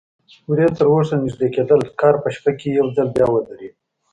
ورېځ تراوسه نږدې کېدل، کاروان په شپه کې یو ځل بیا ودرېد.